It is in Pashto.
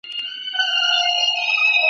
زه یاغي له نمرودانو له ایمان سره همزولی,